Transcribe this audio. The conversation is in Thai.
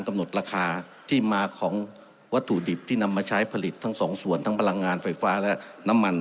กำหนดราคาที่มาของวัตถุดิบที่นำมาใช้ผลิตทั้งสองส่วนทั้งพลังงานไฟฟ้าและน้ำมัน